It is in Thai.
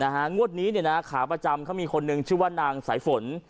งวดนี้เนี่ยนะขาประจำเขามีคนหนึ่งชื่อว่านางสายฝน